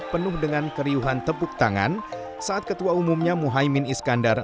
penuh dengan keriuhan tepuk tangan saat ketua umumnya muhaymin iskandar